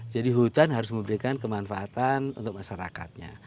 jadi hutan harus memberikan kemanfaatan untuk masyarakatnya